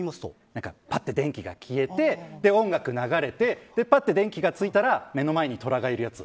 ぱって電気が消えて音楽が流れてパッて電気がついたら目の前にトラがいるやつ。